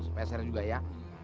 spesial juga ya